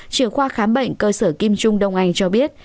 trưởng khoa khám bệnh cơ sở kim trung đông anh cho biết